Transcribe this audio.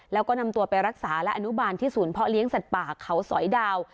แล้วก็นำตัวไปรักษาและอนุบาลที่ศูนย์เพาะเลี้ยงสัตว์ป่าเขาสอยดาว